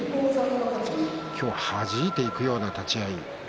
今日ははじいていくような立ち合い。